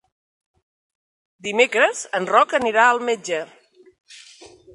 Dimecres en Roc anirà al metge.